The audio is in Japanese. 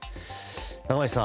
中林さん